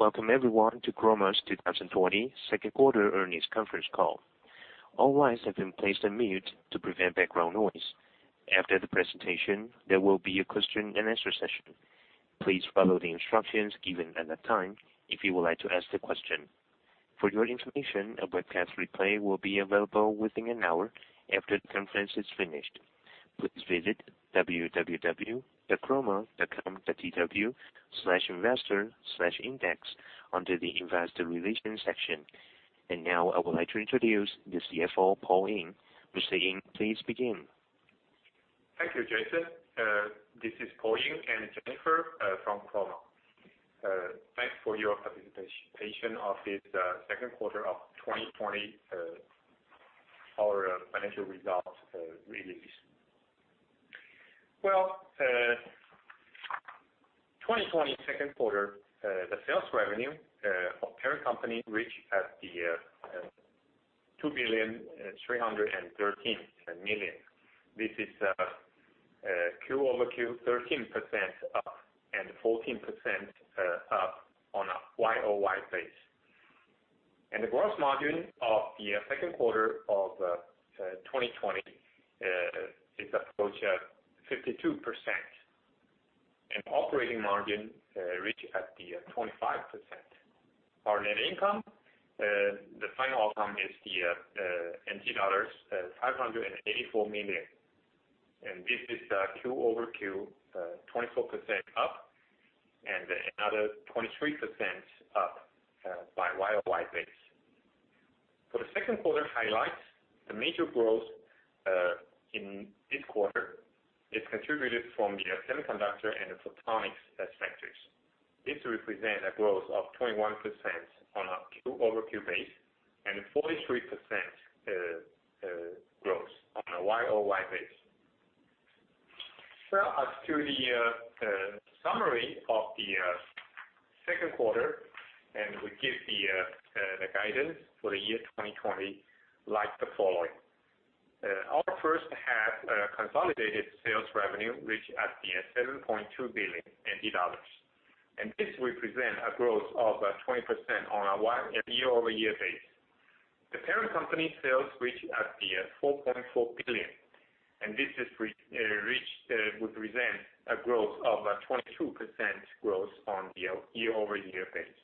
Welcome everyone to Chroma's 2020 second quarter earnings conference call. All lines have been placed on mute to prevent background noise. After the presentation, there will be a question-and-answer session. Please follow the instructions given at that time if you would like to ask the question. For your information, a webcast replay will be available within an hour after the conference is finished. Please visit www.chroma.com.tw/investor/index under the investor relations section. Now I would like to introduce the CFO, Paul Ying. Mr. Ying, please begin. Thank you, Jason. This is Paul Ying and Jennifer from Chroma. Thanks for your participation of this second quarter of 2020, our financial results release. Well, 2020 second quarter, the sales revenue for parent company reached at the 2,313,000,000. This is Q-over-Q, 13% up, and 14% up on a Y-O-Y base. The gross margin of the second quarter of 2020 is approach at 52%. Operating margin reached at the 25%. Our net income, the final outcome is the NT dollars 584 million. This is Q-over-Q, 24% up, and another 23% up by Y-O-Y base. For the second quarter highlights, the major growth in this quarter is contributed from the semiconductor and photonics sectors. This represents a growth of 21% on a Q-over-Q base, and 43% growth on a Y-O-Y base. Well, as to the summary of the second quarter, we give the guidance for the year 2020 like the following. Our first half consolidated sales revenue reached at the 7.2 billion dollars. This represents a growth of 20% on a year-over-year basis. The parent company sales reached at the 4.4 billion, this represents a growth of 22% growth on the year-over-year basis.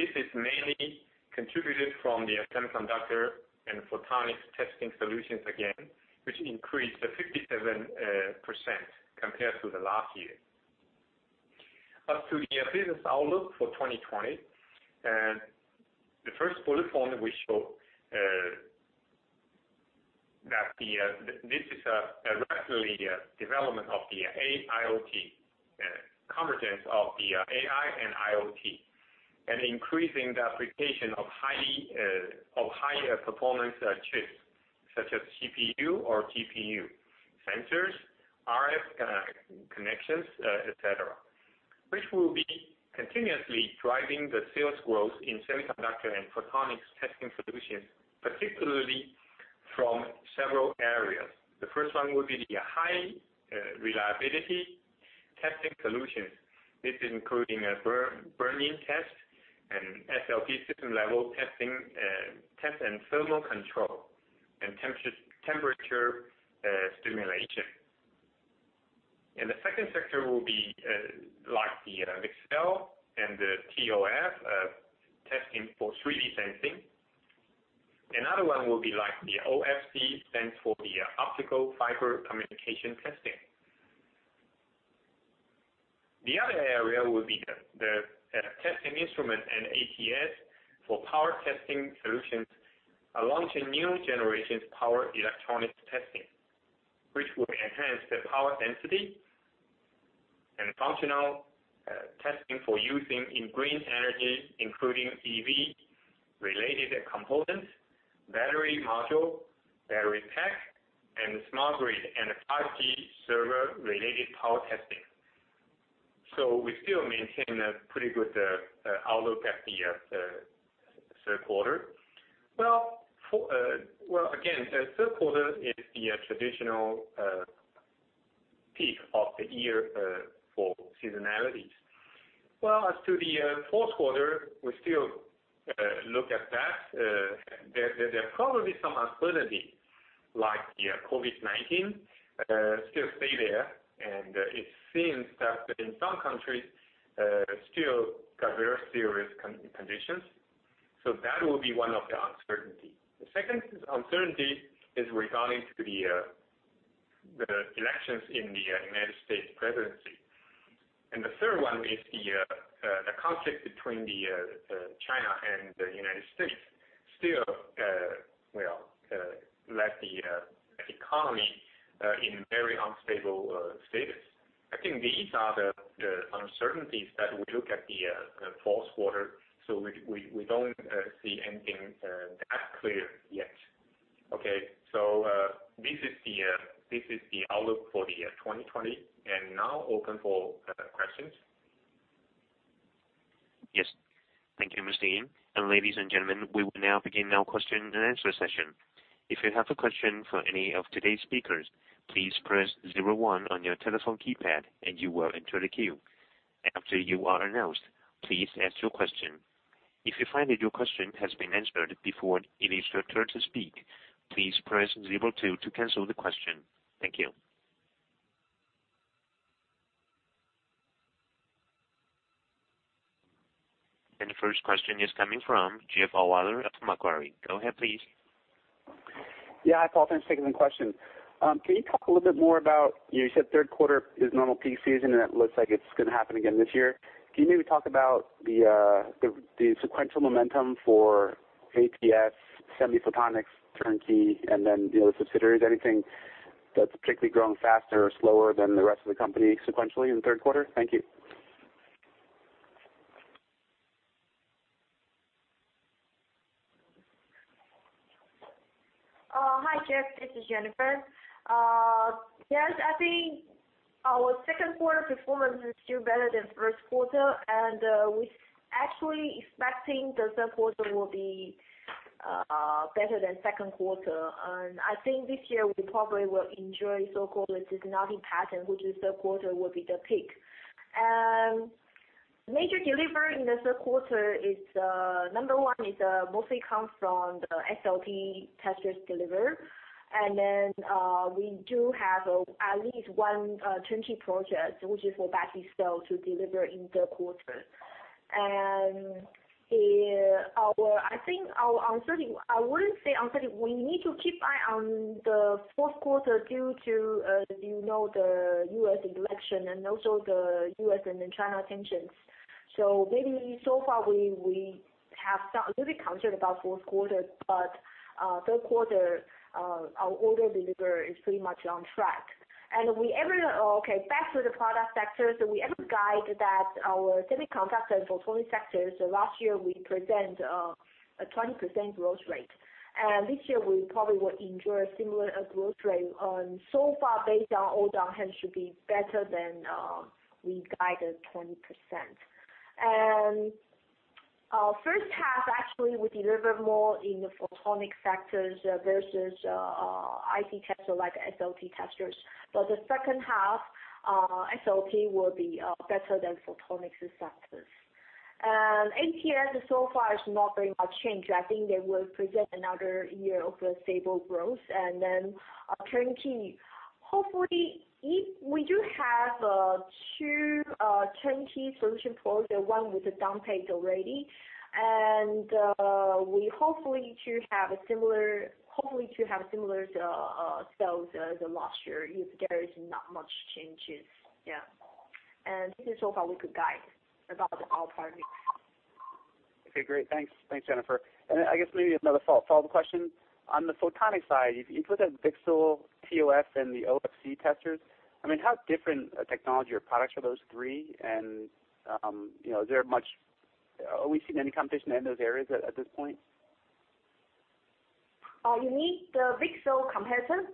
This is mainly contributed from the semiconductor and photonics testing solutions again, which increased 57% compared to the last year. As to the business outlook for 2020, the first bullet point we show that this is directly a development of the AIoT, convergence of the AI and IoT, and increasing the application of higher performance chips, such as CPU or GPU, sensors, RF connections, et cetera, which will be continuously driving the sales growth in semiconductor and photonics testing solutions, particularly from several areas. The first one would be the high reliability testing solutions. This including a burn-in test and SLT system level test and thermal control and temperature stimulation. The second sector will be like the VCSEL and the ToF testing for 3D sensing. Another one will be like the OFC, stands for the optical fiber communication testing. The other area will be the testing instrument and ATS for power testing solutions, launching new generation power electronics testing, which will enhance the power density and functional testing for using in green energy, including EV-related components, battery module, battery pack, and the smart grid, and 5G server-related power testing. We still maintain a pretty good outlook at the third quarter. Well, again, third quarter is the traditional peak of the year for seasonalities. Well, as to the fourth quarter, we still look at that. There are probably some uncertainty, like the COVID-19 still stay there, and it seems that in some countries still got very serious conditions. That will be one of the uncertainty. The second uncertainty is regarding to the elections in the U.S. presidency. The third one is the conflict between China and the U.S. still let the economy in very unstable status. I think these are the uncertainties that we look at the fourth quarter. We don't see anything that clear yet. This is the outlook for 2020. Now open for questions. Yes. Thank you, Mr. Ying. Ladies and gentlemen, we will now begin our question-and-answer session. If you have a question for any of today's speakers, please press zero one on your telephone keypad, and you will enter the queue. After you are announced, please ask your question. If you find that your question has been answered before it is your turn to speak, please press zero two to cancel the question. Thank you. The first question is coming from Jeff Ohlweiler of Macquarie. Go ahead, please. Yeah. Hi, Paul. Thanks for taking the question. You said third quarter is the normal peak season, and it looks like it's going to happen again this year. Can you maybe talk about the sequential momentum for ATEs, semi-photonics, turnkey, and then the other subsidiaries? Anything that's particularly growing faster or slower than the rest of the company sequentially in the third quarter? Thank you. Hi, Jeff. This is Jennifer. Yes, I think our second quarter performance is still better than first quarter. We actually expect the third quarter will be better than the second quarter. I think this year we probably will enjoy the so-called seasonality pattern, which is the third quarter will be the peak. Major delivery in the third quarter, number one, mostly comes from the SLT testers delivered. Then, we do have at least one turnkey project, which is for battery cell, to deliver in the quarter. I wouldn't say uncertain. We need to keep an eye on the fourth quarter due to the U.S. election and also the U.S. and China tensions. Maybe so far, we have a little bit concerned about the fourth quarter. Third quarter, our order delivery is pretty much on track. Okay. Back to the product sector. We have a guide that our semiconductor and photonics sectors, last year, we present a 20% growth rate. This year we probably will enjoy a similar growth rate. Far, based on order, hence, should be better than we guided 20%. First half, actually, we delivered more in the photonics sectors versus IC tester, like SLT testers. The second half, SLT will be better than photonics sectors. ATEs so far is not very much changed. I think they will present another year of stable growth. Turnkey. We do have two turnkey solution products, one with a down pay already, and we hope to have similar sales as last year if there is not much changes. Yeah. This is so far we could guide about our product mix. Okay, great. Thanks, Jennifer. I guess maybe another follow-up question. On the photonics side, you put the VCSEL, TOF and the OFC testers. How different technology or products are those three? Are we seeing any competition in those areas at this point? You mean the VCSEL comparison?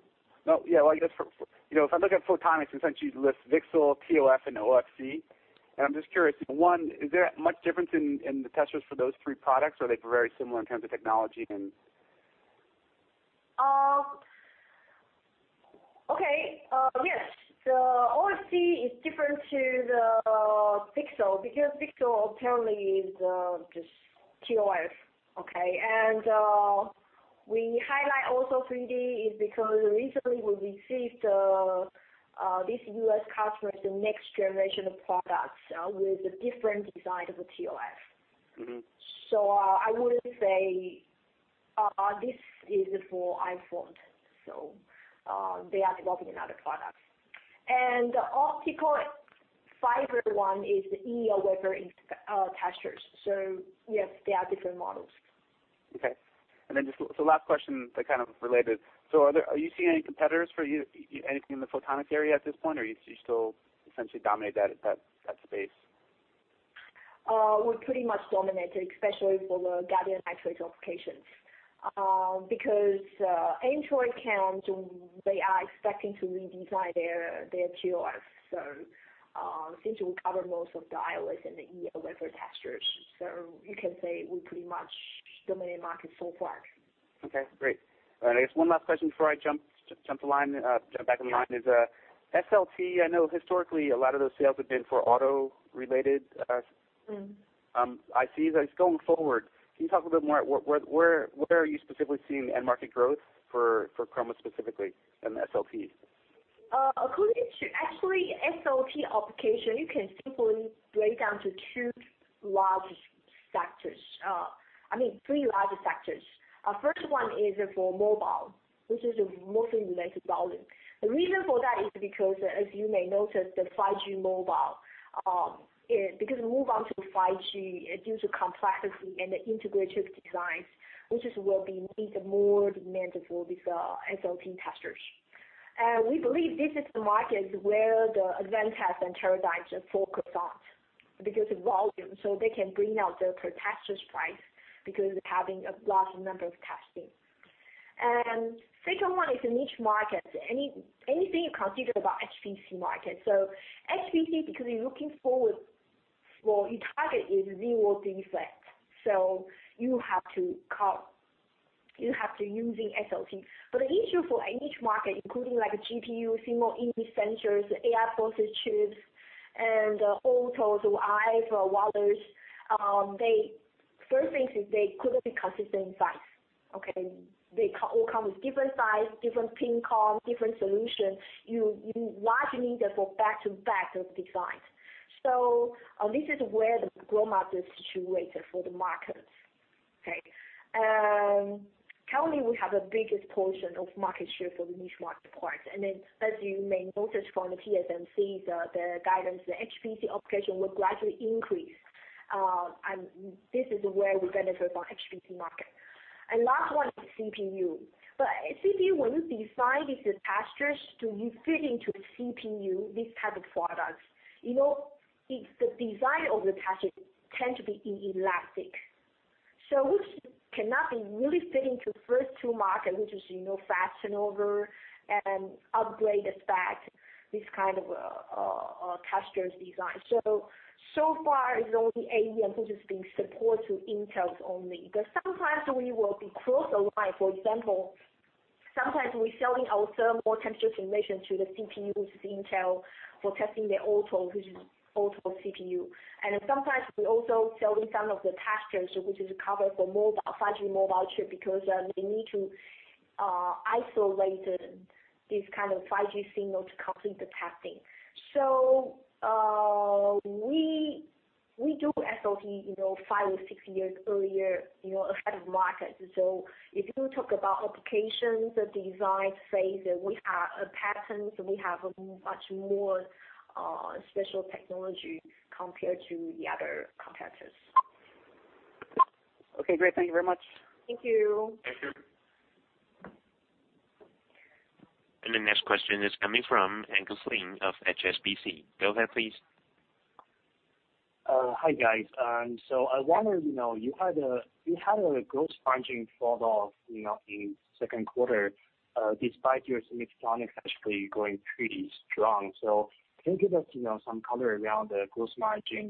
No. If I look at photonics, essentially you list VCSEL, TOF, and OFC, and I'm just curious. One, is there much difference in the testers for those three products, or they're very similar in terms of technology? Okay. Yes. The OFC is different to the VCSEL because VCSEL apparently is just ToF. Okay. We highlight also 3D is because recently we received this U.S. customer, the next generation of products with a different design of a ToF. I wouldn't say this is for iPhone. They are developing another product. The optical fiber one is the EO wafer testers. Yes, they are different models. Just the last question, kind of related, are you seeing any competitors for you, anything in the photonics area at this point, or do you still essentially dominate that space? We pretty much dominate it, especially for the gallium nitride applications. Android count, they are expecting to redesign their TOF, so since we cover most of the iOS and the EO wafer testers, so you can say we pretty much dominate the market so far. Okay, great. I guess one last question before I jump back in line is SLT. I know historically a lot of those sales have been for auto-related ICs. Going forward, can you talk a bit more, where are you specifically seeing end market growth for Chroma specifically in SLT? Actually, SLT application, you can simply break down to three large sectors. First one is for mobile, which is the mostly related volume. The reason for that is, as you may notice, the 5G mobile. We move on to 5G, due to complexity and the integrative designs, which will be more demanded for these SLT testers. We believe this is the market where Advantest and Teradyne focus on because of volume, so they can bring out their testers price because of having a large number of testing. Second one is a niche market. Anything you consider about HPC market. HPC, because you're looking forward, your target is zero defect. You have to use SLT. The issue for a niche market, including GPU, single image sensors, AI processor chips, and autos, or EV or others, first thing is they couldn't be consistent size. Okay? They all come with different size, different pin count, different solution. You largely need that for back-to-back design. This is where the growth market is situated for the markets. Okay? Currently, we have the biggest portion of market share for the niche market part. As you may notice from the TSMC, the guidance, the HPC application will gradually increase. This is where we benefit from HPC market. Last one is CPU. CPU, when you design these testers to fit into CPU, these type of products, the design of the tester tend to be inelastic. Which cannot be really fit into first two markets, which is fast turnover and upgraded spec, this kind of testers design. So far it's only OEM which is being supported with Intel only. Sometimes we will be crossed the line. For example, sometimes we sell our thermal temperature simulation to the CPU, which is Intel, for testing their Auto CPU. Sometimes we also sell some of the testers, which is covered for 5G mobile chip, because they need to isolate this kind of 5G signal to complete the testing. We do SLT five or six years earlier ahead of market. If you talk about applications, the design phase, we have patents, we have much more special technology compared to the other competitors. Okay, great. Thank you very much. Thank you. Thank you. The next question is coming from Angus Lin of HSBC. Go ahead, please. Hi, guys. I wanted to know, you had a gross margin fall off in second quarter, despite your semi-photonics actually going pretty strong. Can you give us some color around the gross margin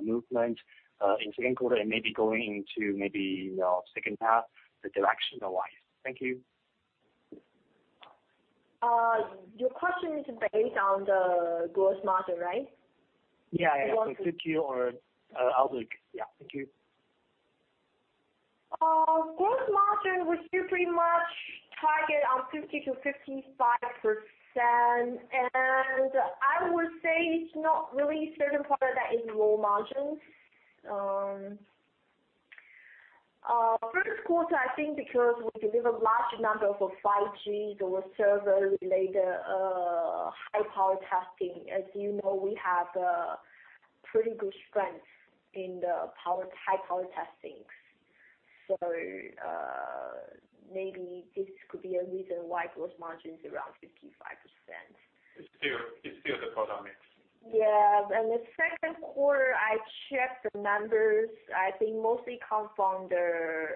movement in second quarter and maybe going into maybe second half, the direction or why? Thank you. Your question is based on the gross margin, right? Yeah. For 3Q or outlook. Yeah, thank you. Gross margin, we still pretty much target on 50%-55%, and I would say it's not really certain product that is low margin. First quarter, I think because we delivered large number of 5G or server-related high power testing. As you know, we have a pretty good strength in the high power testing. Maybe this could be a reason why gross margin is around 55%. It's still the product mix. Yeah. In the second quarter, I checked the numbers. I think mostly come from the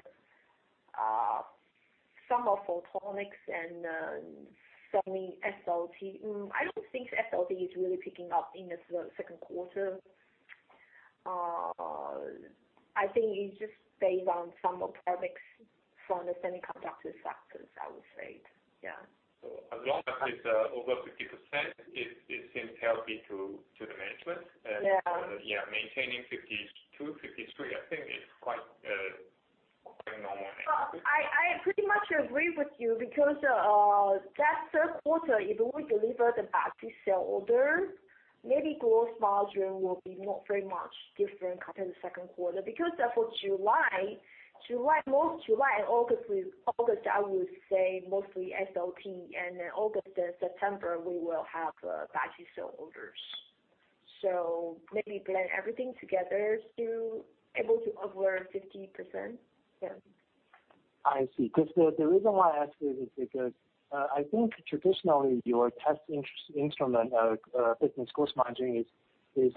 semi-photonics and semi SLT. I don't think SLT is really picking up in the second quarter. I think it's just based on thermal products from the semiconductor sectors, I would say. Yeah. As long as it's over 50%, it seems healthy to the management. Yeah. Yeah, maintaining 52%, 53%, I think is quite a normal margin. I pretty much agree with you because that third quarter, if we deliver battery cell orders, maybe gross margin will be not very much different compared to the second quarter. For July and August, I would say mostly SLT, and then August and September, we will battery cell orders. Maybe blend everything together, still able to over 50%. Yeah. I see. Because the reason why I asked it is because, I think traditionally, your test instrument business gross margin is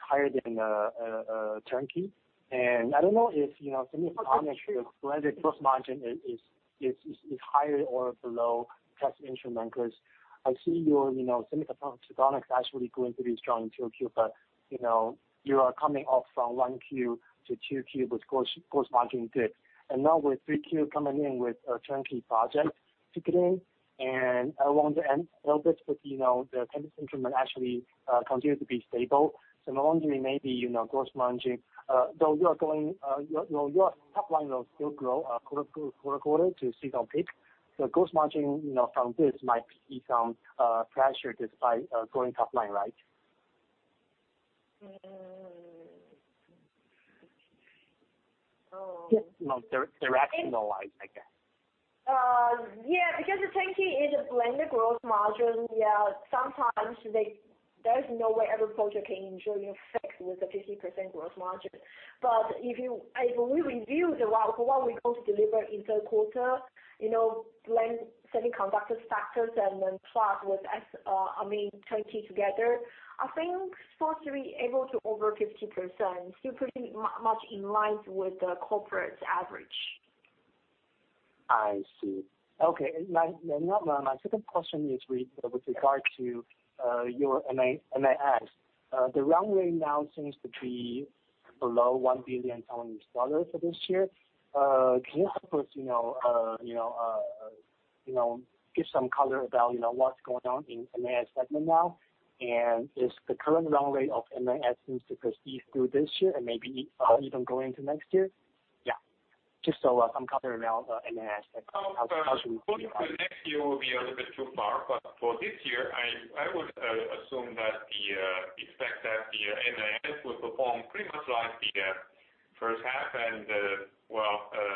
higher than turnkey. I don't know if semi-photonics- That's true. whether gross margin is higher or below test instrument, because I see your semi-photonics actually going pretty strong in 2Q. You are coming off from 1Q to 2Q with gross margin dip. Now with 3Q coming in with a turnkey project ticking in, and along the end of it, the test instrument actually continues to be stable. No longer you may be gross margin, though your top line will still grow quarter-to-quarter to seasonal peak. Gross margin, from this might see some pressure despite growing top line, right? Oh. Directional-wise, I guess. Because the turnkey is a blended gross margin. Sometimes there's no way every project can ensure you fix with a 50% gross margin. If we review what we going to deliver in third quarter, blend semiconductor factors and then plus with turnkey together, I think supposed to be able to over 50%, still pretty much in line with the corporate average. I see. Okay. My second question is with regard to your MIS. The run rate now seems to be below 1 billion dollars for this year. Can you help us give some color about what's going on in MIS segment now, is the current run rate of MIS seems to proceed through this year and maybe even go into next year? Yeah. Just some color around MIS and how should we think about it. Looking to the next year will be a little bit too far, but for this year, I would assume that the MIS will perform pretty much like the first half and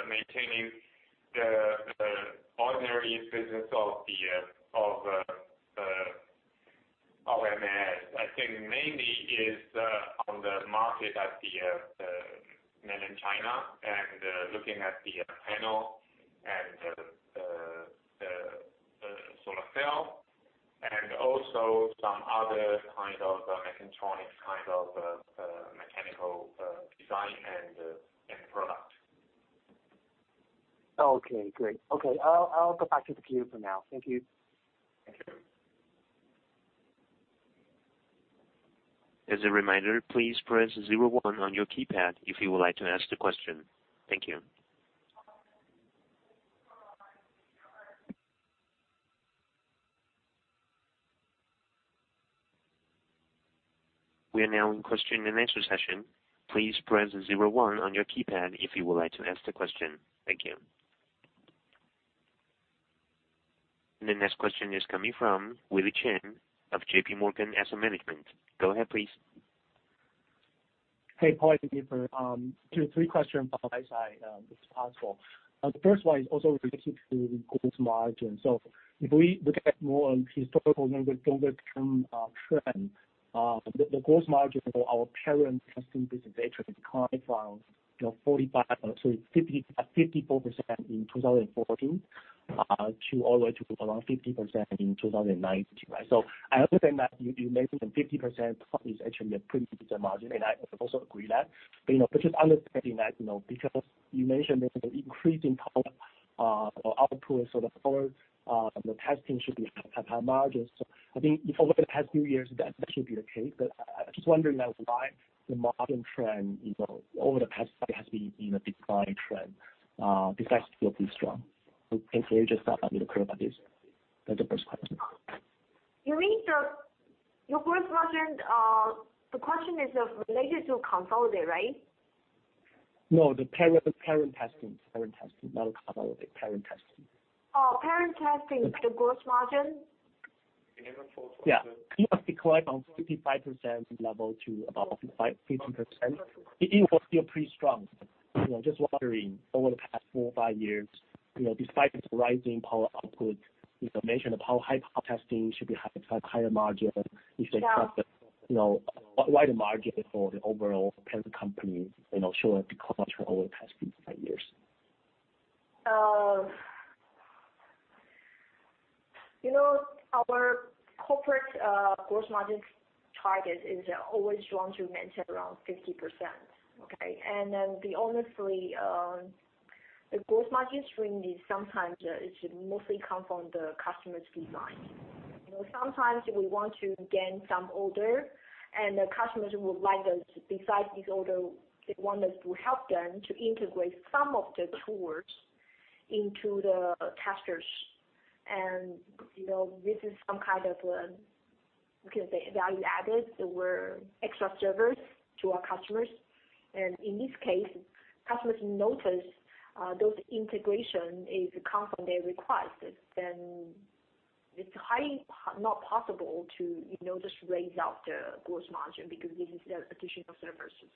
maintaining the ordinary business of MIS. I think mainly is on the market at the mainland China and looking at the panel and the solar cell, and also some other kind of mechatronics, mechanical design and end product. Okay, great. I'll go back to the queue for now. Thank you. Thank you. As a reminder, please press zero one on your keypad if you would like to ask the question. Thank you. We are now in question-and-answer session. Please press zero one on your keypad if you would like to ask the question. Thank you. The next question is coming from Willy Chin of J.P. Morgan Asset Management. Go ahead, please. Hey, Paul and Jennifer. Two or three questions by side, if it's possible. The first one is also related to gross margin. If we look at more historical numbers, longer-term trend, the gross margin for our parent testing business actually declined from 54% in 2014, all the way to around 50% in 2019. I understand that you mentioned the 50% is actually a pretty decent margin, and I also agree that. Just understanding that, because you mentioned there's an increasing power output, the testing should have higher margins. I think if I look at the past few years, that should be the case. I was just wondering that why the margin trend over the past five years has been in a decline trend, despite still pretty strong. Can you just help me to clear about this? That's the first question. Your first question, the question is related to consolidated, right? No, the parent testing, not consolidated. Parent testing. Oh, parent testing, the gross margin? Yeah. It must decline from 55% level to about 50%. It was still pretty strong. Just wondering, over the past four or five years, despite this rising power output, you mentioned how high power testing should have higher margin Yeah. Why the margin for the overall parent company show a decline trend over the past three, five years? Our corporate gross margin target is always want to maintain around 50%. Okay. Honestly, the gross margin stream is sometimes mostly come from the customer's design. Sometimes we want to gain some order, and the customers would like us, besides this order, they want us to help them to integrate some of the tools into the testers. This is some kind of value added or extra service to our customers. In this case, customers notice those integration is come from their request, it's highly not possible to just raise up the gross margin because this is their additional services.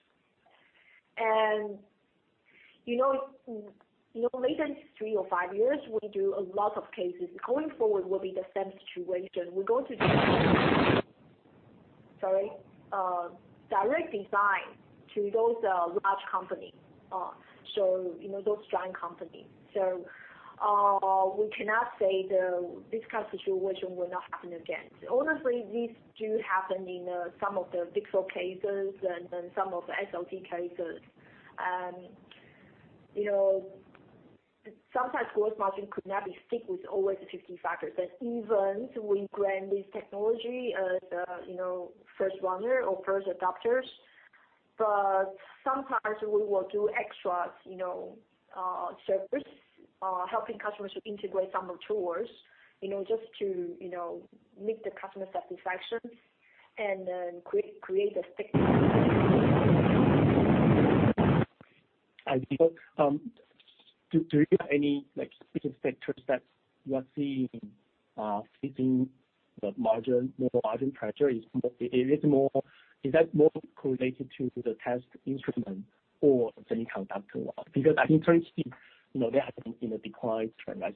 Lately, three or five years, we do a lot of cases. Going forward will be the same situation. Sorry. Direct design to those large companies. Those giant companies. We cannot say this kind of situation will not happen again. Honestly, these do happen in some of the VCSEL cases and some of the SLT cases. Sometimes gross margin could not stick with always 50 factors. Even we grant this technology as the first runner or first adopters, but sometimes we will do extra service, helping customers to integrate some tools, just to meet the customer satisfaction and then create the I see. Do you have any specific sectors that you are seeing hitting the margin pressure? Is that more correlated to the test instrument or semiconductor? I think for IC, they are in a decline trend. I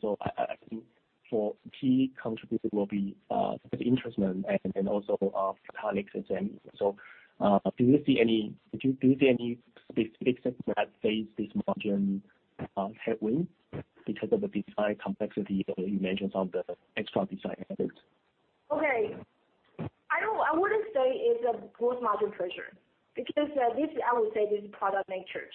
think for key contributor will be the instrument and then also photonics and so on. Do you see any specific sector that face this margin headwind because of the design complexity that you mentioned on the extra design effort? Okay. I wouldn't say it's a gross margin pressure, because this, I would say, this is product natures.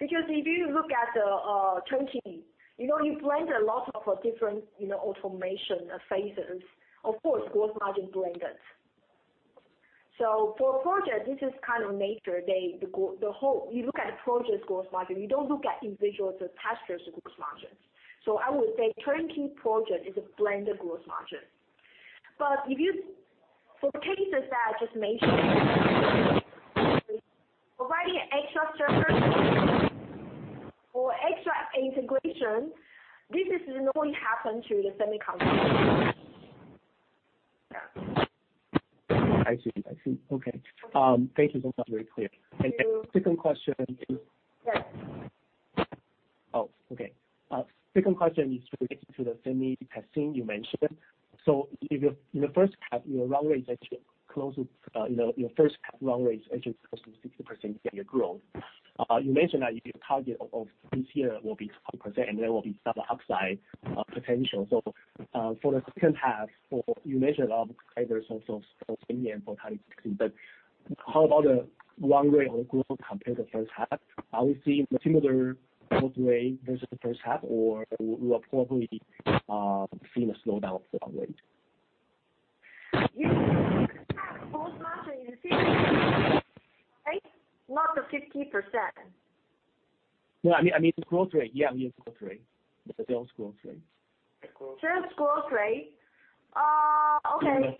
If you look at the turnkey, you blend a lot of different automation phases. Of course, gross margin blended. For a project, this is nature. You look at the project's gross margin, you don't look at individual attachments gross margins. I would say turnkey project is a blended gross margin. For cases that I just mentioned, providing extra service or extra integration, this normally happen to the semiconductor. I see. Okay. Thank you. That's very clear. Thank you. Second question is. Yes. Okay. Second question is related to the semi testing you mentioned. In the first half, your run rate is actually close to 60% year-over-year growth. You mentioned that your target of this year will be 20%, and there will be some upside potential. For the second half, you mentioned there's also semi and photonics, but how about the run rate of growth compared to first half? Are we seeing a similar growth rate versus the first half, or we will probably see a slowdown of the run rate? You have gross margin in right? Not the 50%. No, I mean the growth rate. Yeah. Sales growth rate. Sales growth rate? Okay.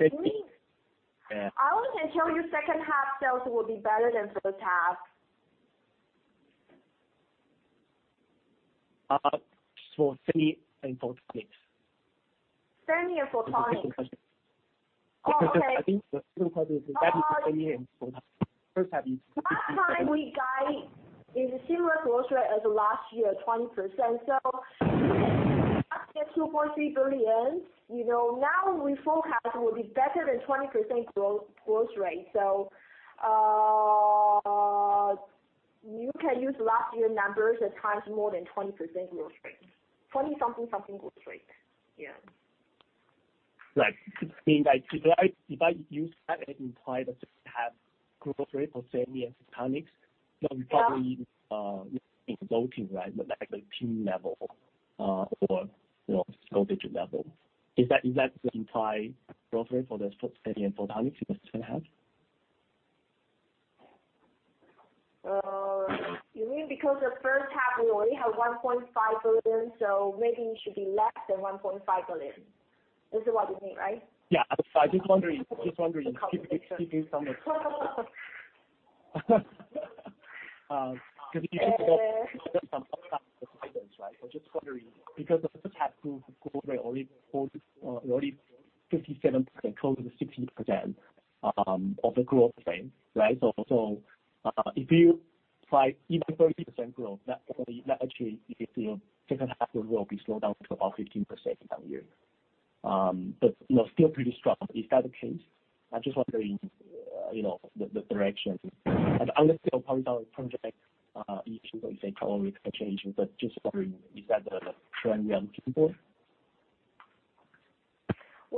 Yeah. I can tell you second half sales will be better than first half. For semi and photonics. Semi and photonics. That's the second question. Okay. I think the second question is semi and photonics. Last time we guide is a similar growth rate as last year, 20%. 2.3 billion. Now we forecast will be better than 20% growth rate. You can use last year numbers and times more than 20% growth rate. 20-something growth rate. Yeah. Right. If I use that, it implies that the second half growth rate for semi and photonics, probably in low teen, right? Like 10 level, or low digit level. Is that the implied growth rate for the semi and photonics in the second half? You mean the first half we only have 1.5 billion, maybe it should be less than 1.5 billion. This is what you mean, right? Yeah. I was just wondering, give me some because you just said there's some upside, right? I was just wondering, because the first half growth rate already 57%, close to 60% of the growth rate, right? If you apply even 30% growth, that actually, if your second half will be slowed down to about 15% year-over-year. But still pretty strong. Is that the case? I'm just wondering the directions. I understand probably our project issue is a common expectation, but just wondering, is that the trend we are looking for?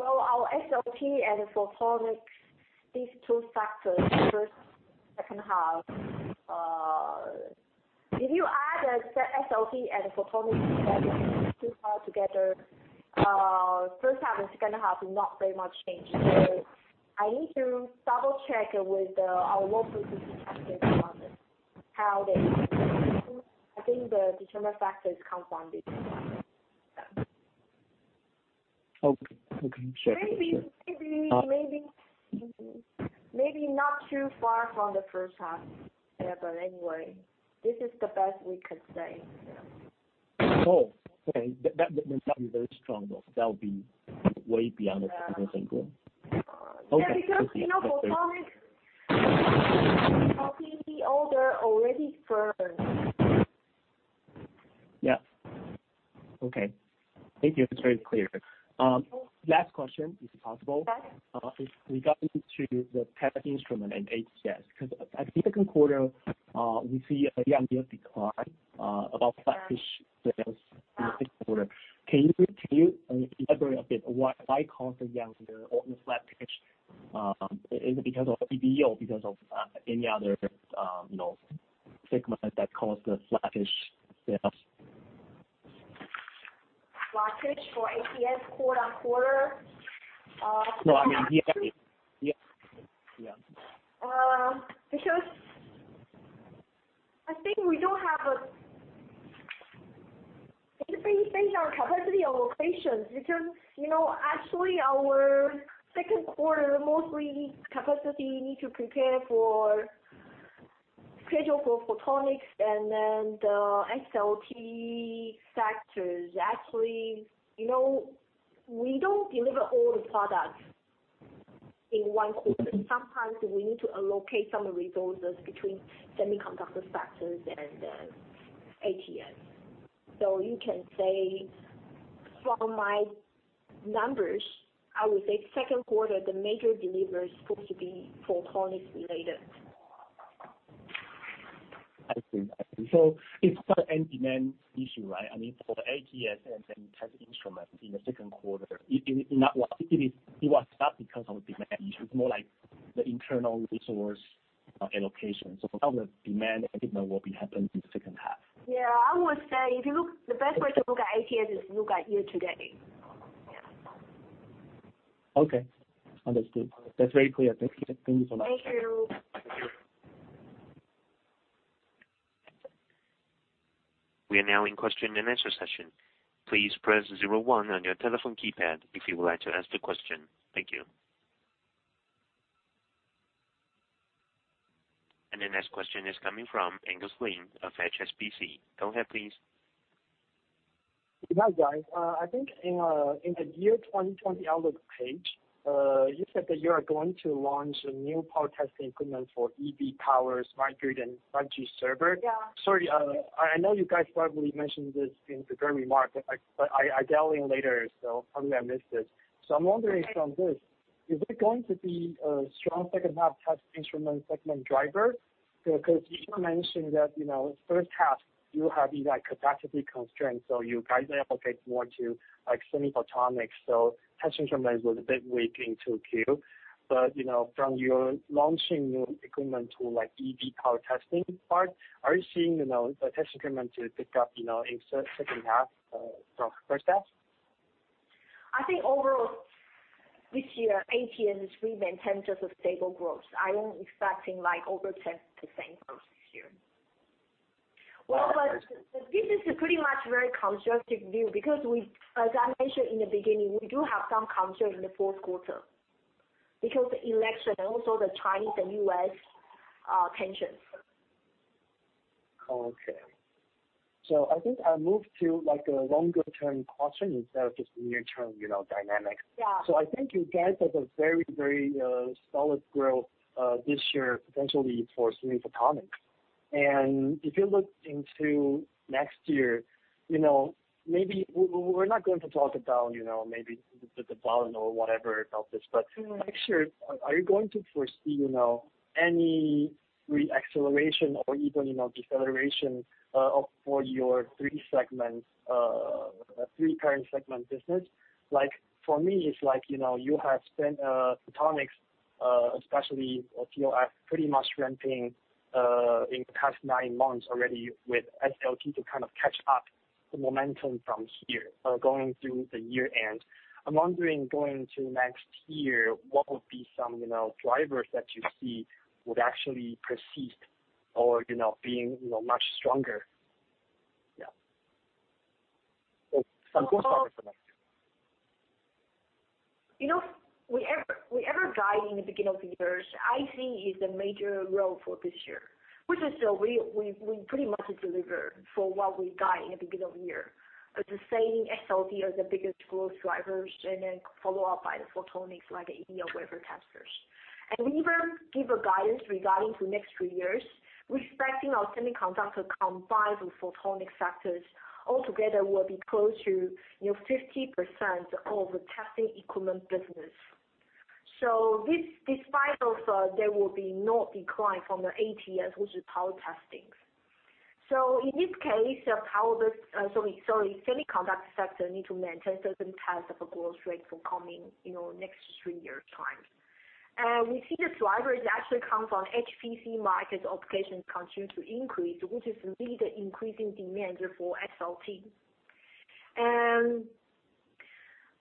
Our SLT and photonics, these two factors, first, second half. If you add the SLT and photonics together, first half and second half will not very much change. I need to double-check with our local team captain about this, how they determine. I think the determine factor is compounded. Yeah. Okay. Sure. Maybe not too far from the first half. Anyway, this is the best we could say. Oh, okay. That means that'll be very strong, though. That'll be way beyond the 20% growth. Yeah. Okay. Yeah, because photonics order already firm. Yeah. Okay. Thank you. It is very clear. Last question, if possible. Yes. Is regarding to the test instrument and ATS, because at second quarter, we see a year-over-year decline about flattish sales in the second quarter. Can you elaborate a bit why cause the flattish? Is it because of HPC, because of any other segment that caused the flattish sales? Flattish for ATS quarter-on-quarter? No, I mean year-on-year. Yeah. I think based on capacity allocation, because actually our second quarter, mostly capacity need to prepare for schedule for photonics and then the SLT factors. Actually, we don't deliver all the products in one quarter. Sometimes we need to allocate some resources between semiconductor factors and then ATS. You can say from my numbers, I would say second quarter, the major deliver is supposed to be photonics related. I see. It's not an end demand issue, right? I mean, for the ATS and test instrument in the second quarter, it was not because of demand issues, more like the internal resource allocation. For now, the demand, I think that will happen in the second half. Yeah, I would say the best way to look at ATS is look at year to date. Yeah. Okay. Understood. That's very clear. Thank you so much. Thank you. Thank you. We are now in question-and-answer session. Please press zero one on your telephone keypad if you would like to ask a question. Thank you. The next question is coming from Angus Lin of HSBC. Go ahead, please. Hi, guys. I think in the year 2020 outlook page, you said that you are going to launch new power testing equipment for EV power, smart grid, and 5G server. Yeah. Sorry, I know you guys probably mentioned this in the very remark, but I dialed in later, so probably I missed it. I'm wondering from this, is it going to be a strong second-half test instrument segment driver? Because you mentioned that first half, you have capacity constraints, so you guys allocate more to semi-photonics. Test instruments was a bit weak in 2Q. From your launching new equipment to EV power testing part, are you seeing the test instrument to pick up in second half from first half? I think overall this year, ATS will maintain just a stable growth. I am expecting over 10% growth this year. Well, this is a pretty much very constructive view because as I mentioned in the beginning, we do have some concern in the fourth quarter because the election and also the Chinese and U.S. tensions. Okay. I think I'll move to a longer-term question instead of just near-term dynamics. Yeah. I think you guys have a very solid growth this year, potentially for semi-photonics. If you look into next year, we're not going to talk about the bottom or whatever of this, but next year, are you going to foresee any re-acceleration or even deceleration for your three current segment business? For me, it's like you have spent photonics, especially ToF, pretty much ramping in the past nine months already with SLT to kind of catch up the momentum from here going through the year-end. I'm wondering, going to next year, what would be some drivers that you see would actually persist or being much stronger? Yeah. Some thoughts about it for next year. Whatever guide in the beginning of the year, I think is the major role for this year, which is we pretty much deliver for what we guide in the beginning of the year. The same SLT as the biggest growth drivers, then followed up by the photonics, like EO wafer testers. We even give a guidance regarding next three years, we expecting our semiconductor combined with photonic factors altogether will be close to 50% of the testing equipment business. Despite that, there will be no decline from the ATS, which is power testing. In this case, semiconductor sector needs to maintain certain types of a growth rate for coming next three years' time. We see the drivers actually come from HPC markets application continues to increase, which leads increasing demand for SLT.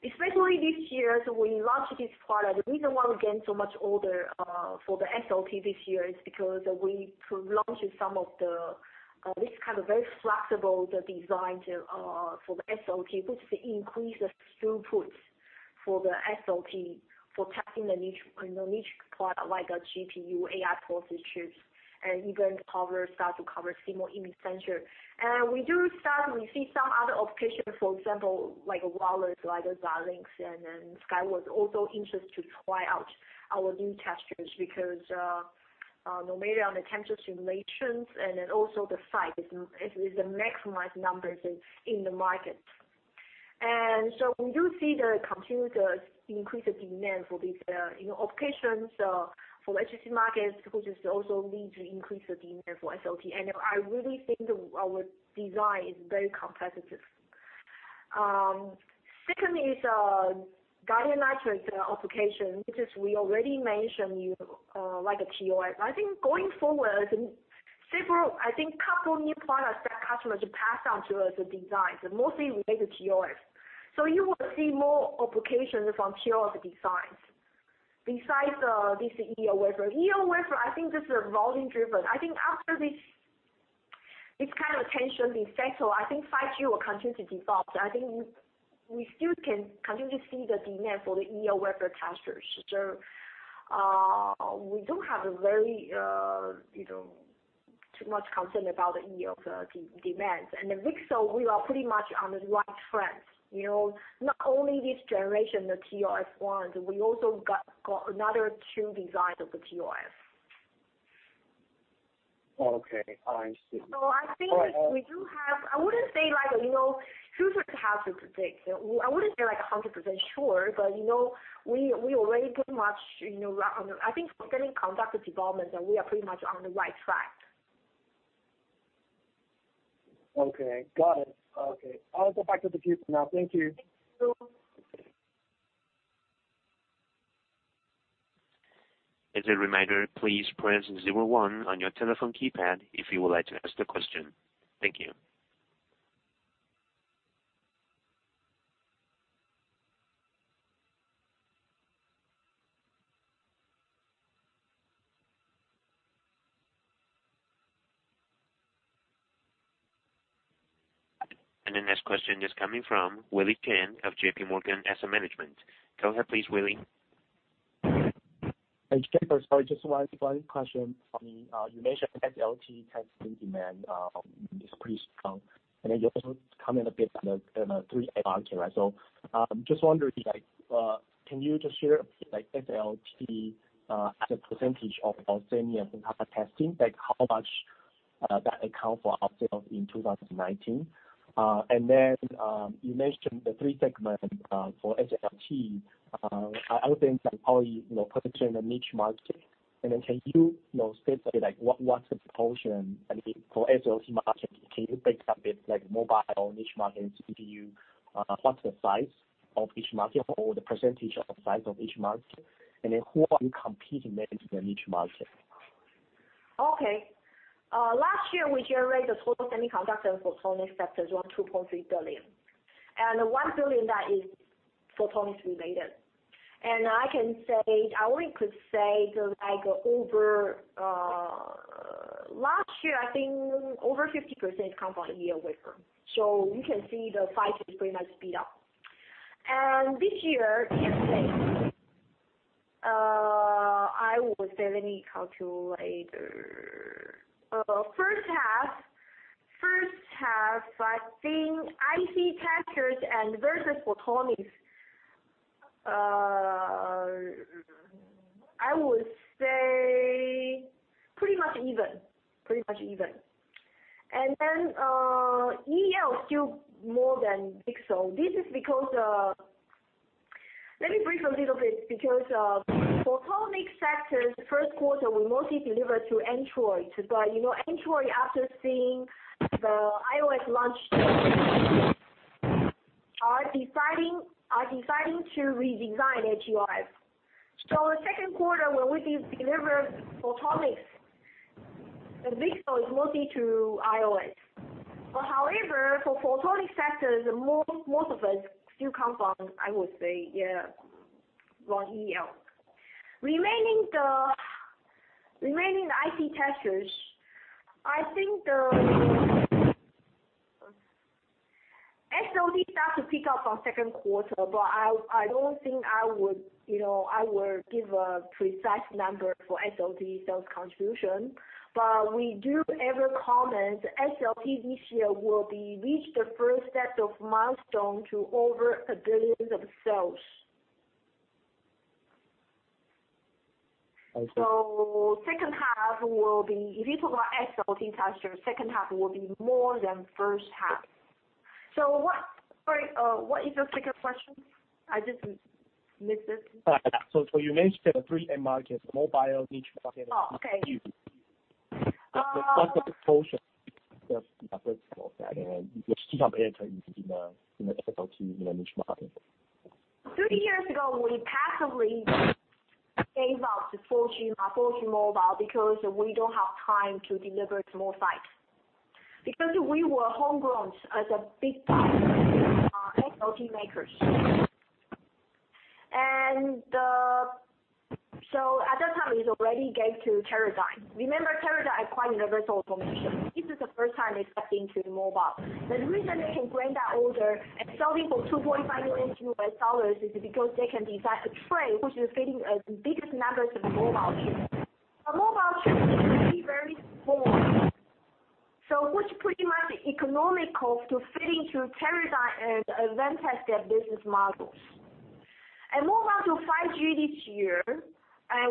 Especially this year, we launched this product. The reason why we gain so much order for the SLT this year is because we launched some of this kind of very flexible design for the SLT, which increase the throughput for the SLT for testing the niche product like a GPU, AI processors chips, and even start to cover CMOS image sensor. We see some other applications, for example, like wireless, like Xilinx, and then Skyworks also interest to try out our new testers because no matter on the temperature simulations and then also the size, it is the maximized numbers in the market. We do see the continuous increase of demand for these applications for HPC markets, which is also lead to increase the demand for SLT. I really think our design is very competitive. Secondly is gallium nitride applications, which is we already mentioned, like a ToF. I think going forward, I think couple new products that customers pass on to us the designs, mostly related to TOFs. You will see more applications from TOF designs. Besides this EO wafer. EO wafer, I think this is volume driven. I think after this kind of tension is settled, I think 5G will continue to develop. We don't have too much concern about the EO demands. I think we are pretty much on the right track. Not only this generation, the TOF ones, we also got another two designs of the TOF. Okay. I understand. I wouldn't say like future is hard to predict. I wouldn't say 100% sure. We already pretty much I think for semiconductor development, we are pretty much on the right track. Okay. Got it. Okay. I'll go back to the queue for now. Thank you. Thank you. As a reminder, please press zero one on your telephone keypad if you would like to ask the question. Thank you. The next question is coming from Willy Chin of J.P. Morgan Asset Management. Go ahead please, Willy. Hey, Jennifer. Sorry, just one follow-up question from me. You mentioned SLT testing demand is pretty strong, and then you also comment a bit on the three end market, right? Just wondering, can you just share a bit SLT as a percentage of all semi and other testing, like how much that account for upsales in 2019? You mentioned the three segments for SLT. I would think that how you position the niche market, and then can you specifically, what's the proportion, I mean, for SLT market, can you break down a bit, like mobile niche markets to you, what's the size of each market or the percentage of the size of each market, and then who are you competing with in the niche market? Okay. Last year, we generated total semiconductor and photonics sectors, around 2.3 billion, and 1 billion that is photonics related. I only could say last year, I think over 50% come from EO wafer. You can see the pie is pretty much beat up. This year to date, I would say, let me calculate. First half, I think IC testers and vertical photonics, I would say pretty much even. EL still more than VCSEL. Let me brief a little bit, because photonics sector first quarter, we mostly deliver to Android. Android, after seeing the iOS launch are deciding to redesign GUIs. In the second quarter, when we deliver photonics, the VCSEL is mostly to iOS. However, for photonics sector, most of it still comes from, I would say, raw EO. Remaining IC testers, I think the SLT start to pick up on second quarter, but I don't think I will give a precise number for SLT sales contribution. We do every comment, SLT this year will reach the first set of milestones to over a billion of sales. I see. Second half will be, if you talk about SLT testers, second half will be more than first half. Sorry, what is your second question? I just missed it. You mentioned the three end markets, mobile, niche market. Oh, okay. What's the proportion of and which competitor in the SLT niche market? Three years ago, we passively gave out to 4G mobile because we don't have time to deliver to more sites. We were homegrown as a big die SLT makers. At that time, it already gave to Teradyne. Remember, Teradyne acquired Universal Robots. This is the first time they step into mobile. The reason they can bring that order and sell it for TWD 2.5 million is because they can design a tray which is fitting the biggest numbers of mobile chips. A mobile chip is usually very small, which pretty much economical to fit into Teradyne and then test their business models. Move on to 5G this year,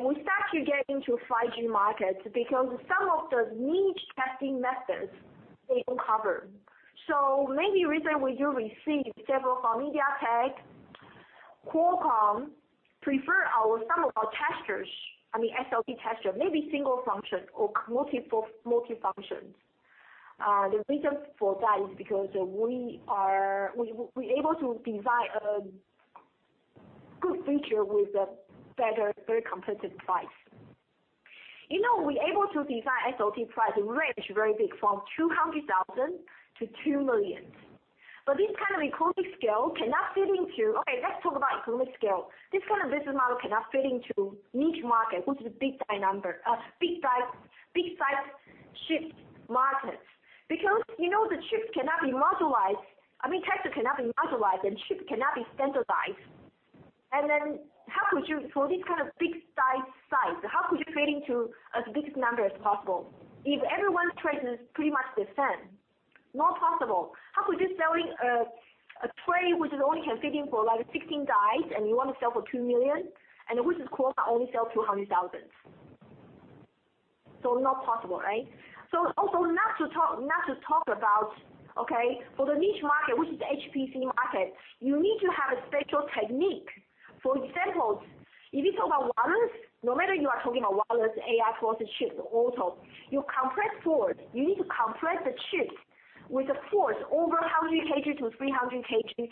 we start to get into 5G markets because some of the niche testing methods they don't cover. Maybe the reason we do receive several from MediaTek, Qualcomm, prefer some of our testers, I mean, SLT testers, maybe single function or multi-functions. The reason for that is because we're able to design a good feature with a better, very competitive price. We're able to design SLT price range very big, from 200,000 to 2 million. This kind of business model cannot fit into niche market, which is a big-size chip markets because the chip cannot be modularized, I mean, tester cannot be modularized, and chip cannot be standardized. For this kind of big-size, how could you fit into as big number as possible if everyone's tray is pretty much the same? Not possible. How could you sell a tray which can only fit 16 dies, and you want to sell for 2 million? Which is cost only sell 200,000. Not possible, right? Also not to talk about, okay, for the niche market, which is the HPC market, you need to have a special technique. For example, if you talk about wireless, no matter you are talking about wireless, AI process chips, or auto, you compress forward. You need to compress the chips with a force over 100 kg-300 kg,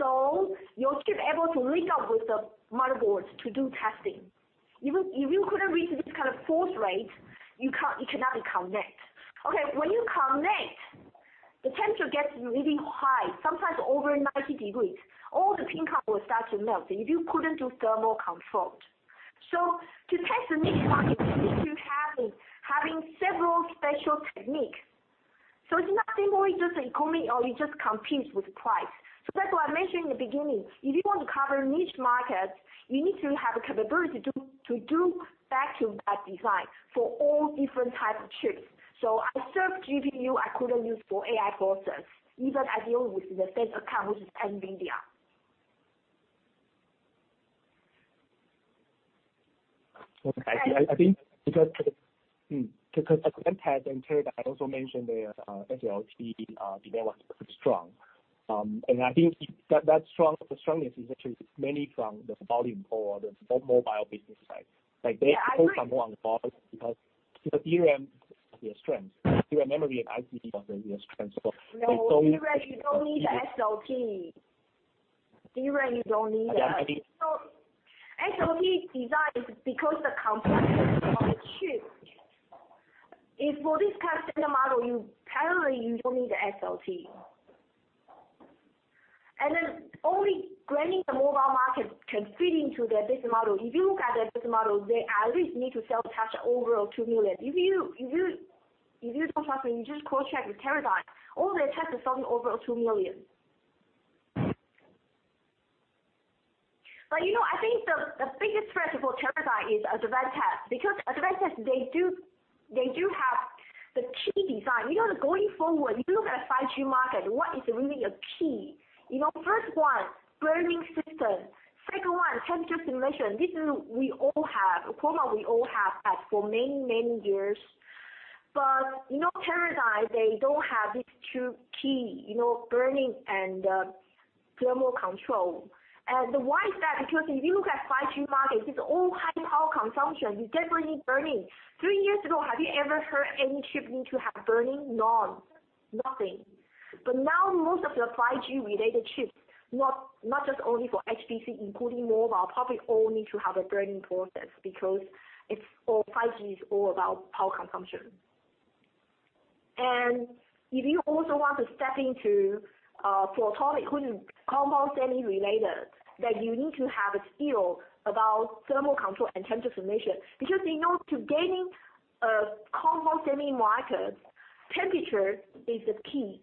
so your chip is able to link up with the motherboards to do testing. If you couldn't reach this kind of force rate, it cannot connect. Okay, when you connect, the temperature gets really high, sometimes over 90 degrees. All the pin cap will start to melt, and you couldn't do thermal control. To test the niche market, you need to have several special techniques. It's not simply just economy or you just compete with price. That's why I mentioned in the beginning, if you want to cover niche markets, you need to have the capability to do back-to-back design for all different types of chips. I serve GPU, I couldn't use for AI process, even I deal with the same account, which is NVIDIA. I think because Advantest and Teradyne also mentioned their SLT development is strong. I think that strongness is actually mainly from the volume or the mobile business side. Yeah, I agree. Like they focus more on the volume because DRAM is their strength. DRAM memory and IC are their strength. No, DRAM, you don't need SLT. SLT design is because the complexity of the chip. If for this kind of standard model, you apparently don't need the SLT. Only granting the mobile market can fit into their business model. If you look at their business model, they at least need to sell touch over 2 million. If you don't trust me, you just cross-check with Teradyne. All their touch is something over TWD 2 million. I think the biggest threat for Teradyne is Advantest, because Advantest they do have the key design. Going forward, if you look at 5G market, what is really a key? First one, burn-in system. Second one, temperature simulation. This is a problem we all have had for many, many years. Teradyne, they don't have these two key, burn-in and thermal control. Why is that? If you look at 5G markets, it's all high power consumption. You definitely need burn-in. Three years ago, have you ever heard any chip need to have burn-in? None. Nothing. Now most of the 5G-related chips, not just only for HPC, including mobile, probably all need to have a burn-in process because 5G is all about power consumption. If you also want to step into photonic compound semi-related, you need to have a skill about thermal control and temperature simulation. To gain a compound semi market, temperature is the key.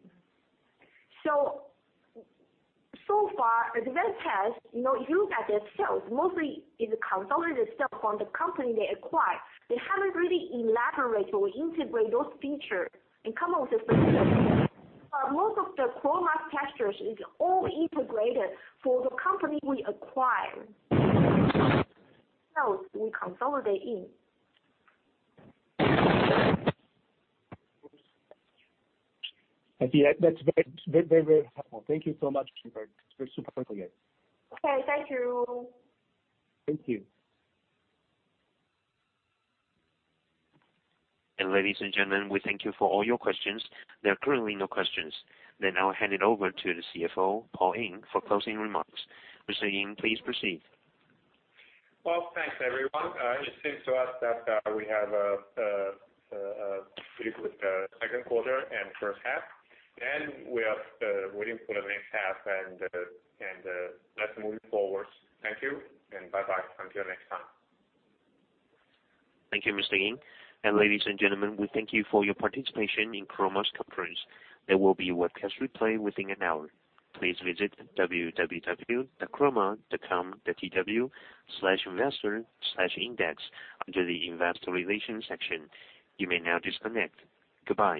Far, Advantest, if you look at their sales, mostly is consolidated stuff from the company they acquired. They haven't really elaborated or integrated those features and come out with a solution. Most of the Chroma testers is all integrated for the company we acquired. Sales we consolidate in. I see. That's very helpful. Thank you so much. Super helpful, yes. Okay, thank you. Thank you. Ladies and gentlemen, we thank you for all your questions. There are currently no questions. I'll hand it over to the CFO, Paul Ying, for closing remarks. Mr. Ying, please proceed. Well, thanks everyone. It seems to us that we have a pretty good second quarter and first half. We are waiting for the next half, and let's move forward. Thank you, and bye-bye until next time. Thank you, Mr. Ying. Ladies and gentlemen, we thank you for your participation in Chroma's conference. There will be a webcast replay within an hour. Please visit www.chroma.com.tw/investor/index under the investor relations section. You may now disconnect. Goodbye